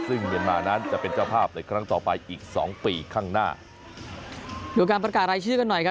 ซึ่งเมียนมานั้นจะเป็นเจ้าภาพในครั้งต่อไปอีกสองปีข้างหน้าดูการประกาศรายชื่อกันหน่อยครับ